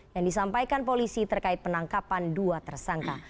yang disampaikan polisi terkait penangkapan dua tersangka